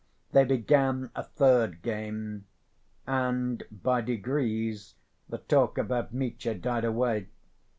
They began a third game, and by degrees the talk about Mitya died away.